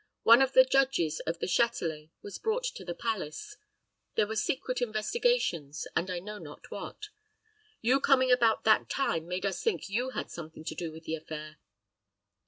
One of the judges of the Châtelet was brought to the palace there were secret investigations, and I know not what. Your coming about that time made us think you had something to do with the affair.